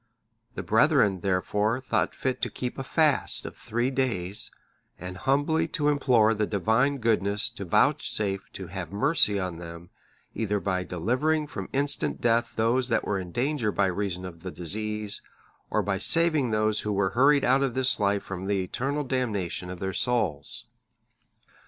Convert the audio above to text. The brethren, therefore, thought fit to keep a fast of three days, and humbly to implore the Divine goodness to vouchsafe to have mercy on them, either by delivering from instant death those that were in danger by reason of the disease, or by saving those who were hurried out of this life from the eternal damnation of their souls.